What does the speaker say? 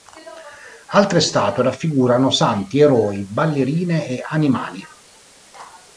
Altre statue raffiguravano santi, eroi, ballerine e animali.